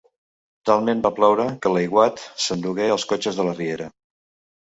Talment va ploure, que l'aiguat s'endugué els cotxes de la riera.